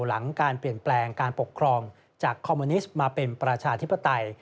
หลังการเปลี่ยนแปลงการปกครองจากคอมมิวนิสต์มาเป็นประชาธิปไตย